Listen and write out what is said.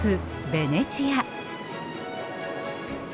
ベネチア。